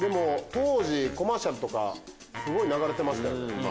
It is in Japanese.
当時コマーシャルとかすごい流れてましたよね。